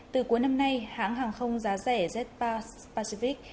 từ cuối năm nay hãng hàng không giá rẻ z pac